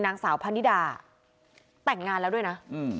นางสาวพันนิดาแต่งงานแล้วด้วยนะ